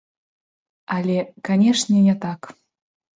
Але, канешне, не так.